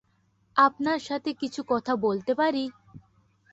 আপনার সাথে কিছু কথা বলতে পারি?